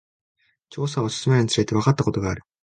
調査を進めるにつれて、わかったことがある。